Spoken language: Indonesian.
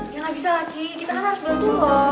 ya gak bisa laki kita kan harus bantu lo